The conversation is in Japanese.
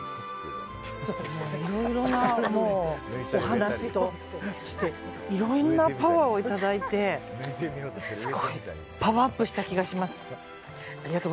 もう、いろんなお話といろんなパワーをいただいてすごいパワーアップした気がします。